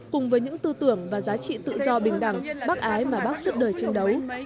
cùng với những tư tưởng và giá trị tự do bình đẳng bác ái mà bác suốt đời chiến đấu